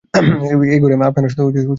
এই ঘরে আপনারা শুধু তিন জনেই থাকেন?